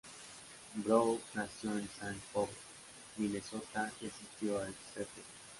Brown nació en Saint Paul, Minnesota y asistió al St.